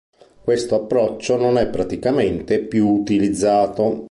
Questo approccio non è praticamente più utilizzato.